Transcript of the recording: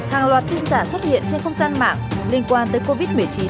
hàng loạt tin giả xuất hiện trên không gian mạng liên quan tới covid một mươi chín